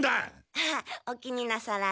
あっお気になさらず。